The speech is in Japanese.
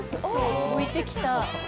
浮いて来た。